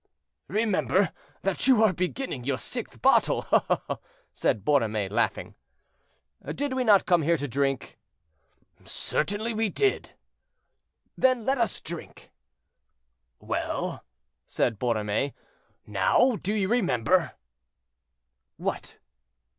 "Remember that you are beginning your sixth bottle," said Borromée laughing. "Did we not come here to drink?" "Certainly we did." "Let us drink then." "Well," said Borromée, "now do you remember?" "What?"